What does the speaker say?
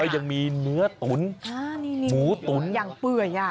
ยังมีเนื้อตุ๋นหมูตุ๋นอย่างเปื่อยอ่ะ